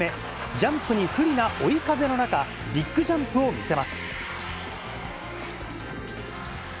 ジャンプに不利な追い風の中、ビッグジャンプを見せます。